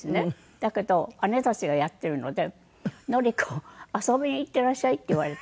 だけど姉たちがやっているので「のり子遊びに行ってらっしゃい」って言われて。